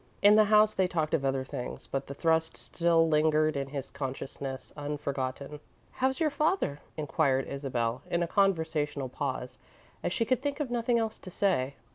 In the house they talked of other things, but the thrust still lingered in his consciousness, unforgotten. "How's your father?" inquired Isabel, in a conversational pause, as she could think of nothing else to say.